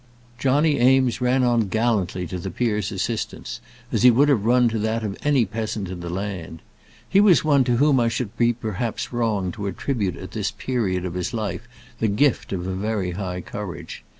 Johnny Eames ran on gallantly to the peer's assistance, as he would have run to that of any peasant in the land. He was one to whom I should be perhaps wrong to attribute at this period of his life the gift of very high courage.